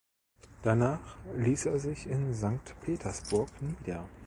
Danach ließ er sich in Sankt Petersburg nieder.